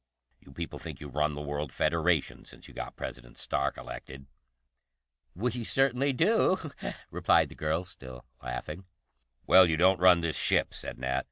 "You people think you run the World Federation since you got President Stark elected." "We certainly do," replied the girl, still laughing. "Well, you don't run this ship," said Nat.